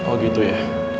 oh gitu ya